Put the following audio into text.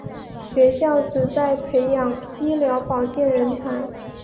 学校旨在培养医疗保健人才。